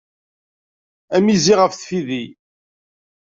Am yizi af tfidi.